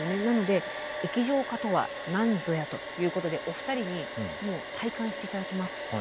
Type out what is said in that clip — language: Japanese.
なので液状化とは何ぞやということでお二人にもう体感して頂きます。